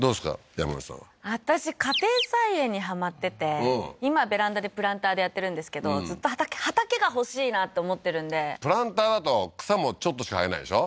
山之内さんは私家庭菜園にハマってて今ベランダでプランターでやってるんですけどずっと畑が欲しいなと思ってるんでプランターだと草もちょっとしか生えないでしょ？